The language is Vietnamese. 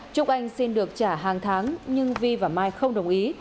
trúc anh xin được trả hàng tháng nhưng vi và mai không đồng ý